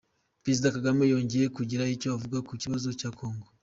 Perezida Kagame yongeye kugira icyo avuga ku kibazo cya kongo